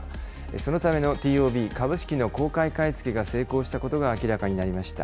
そのためのＴＯＢ・株式の公開買い付けが成功したことが明らかになりました。